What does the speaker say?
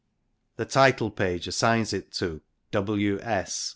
The title page assigns it to * W.S.